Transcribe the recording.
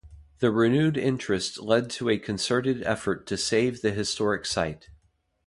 The renewed interest led to a concerted effort to save the historic site.